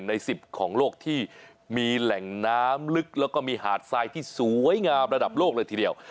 ใน๑๐ของโลกที่มีแหล่งน้ำลึกแล้วก็มีหาดทรายที่สวยงามระดับโลกเลยทีเดียว